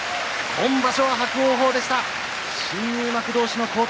今場所は伯桜鵬でした。